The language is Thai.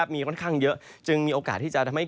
มีค่อนข้างเยอะจึงมีโอกาสที่จะทำให้